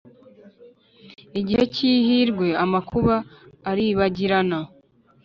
Igihe cy’ihirwe, amakuba aribagirana,